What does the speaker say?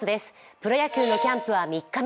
プロ野球のキャンプは３日目。